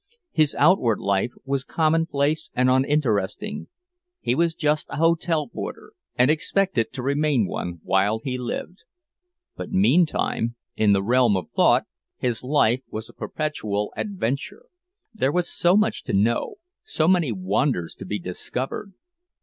His outward life was commonplace and uninteresting; he was just a hotel porter, and expected to remain one while he lived; but meantime, in the realm of thought, his life was a perpetual adventure. There was so much to know—so many wonders to be discovered!